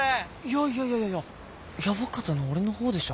いやいやいやいややばかったの俺の方でしょ